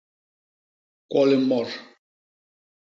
Kwo limot.